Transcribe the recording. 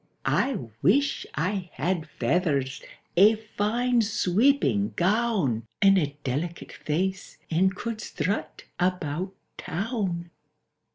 —"I wish I had feathers, a fine sweeping gown, And a delicate face, and could strut about Town!"